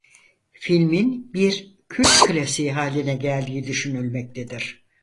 Filmin bir kült klasiği hâline geldiği düşünülmektedir.